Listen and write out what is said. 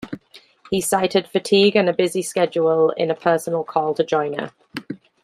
He cited fatigue and a busy schedule in a personal call to Joyner.